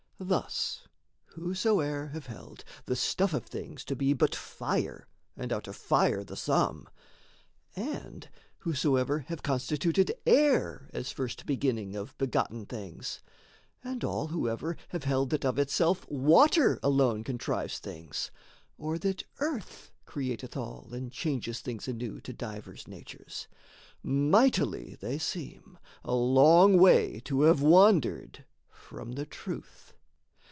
Thus whosoe'er have held the stuff of things To be but fire, and out of fire the sum, And whosoever have constituted air As first beginning of begotten things, And all whoever have held that of itself Water alone contrives things, or that earth Createth all and changes things anew To divers natures, mightily they seem A long way to have wandered from the truth.